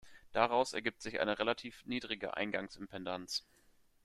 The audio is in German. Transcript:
Daraus ergibt sich eine relativ niedrige Eingangs-Impedanz.